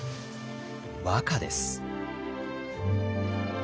和歌です。